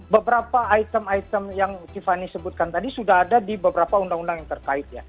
beberapa item item yang tiffany sebutkan tadi sudah ada di beberapa undang undang yang terkait ya